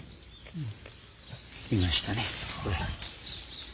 いましたねこれ。